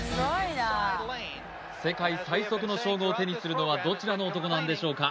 世界最速の称号を手にするのはどちらの男なんでしょうか？